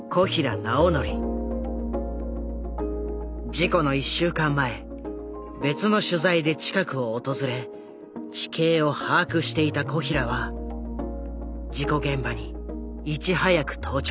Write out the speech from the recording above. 事故の１週間前別の取材で近くを訪れ地形を把握していた小平は事故現場にいち早く到着。